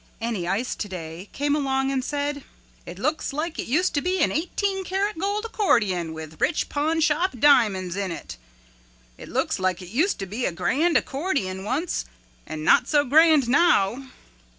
Any Ice Today came along and said, "It looks like it used to be an 18 carat gold accordion with rich pawnshop diamonds in it; it looks like it used to be a grand accordion once and not so grand now."